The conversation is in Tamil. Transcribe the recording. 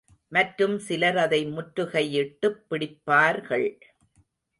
மற்றும் சிலர் அதை முற்றுகையிட்டுப்பிடிப்பார்கள்.